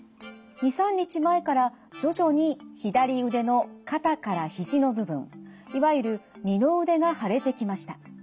２３日前から徐々に左腕の肩から肘の部分いわゆる二の腕が腫れてきました。